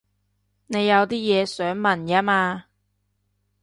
你有啲嘢想問吖嘛